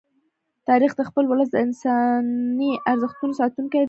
تاریخ د خپل ولس د انساني ارزښتونو ساتونکی دی.